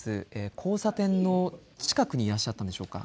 交差点の近くにいらっしゃったんでしょうか。